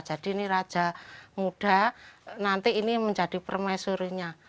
jadi ini raja muda nanti ini menjadi permaisurnya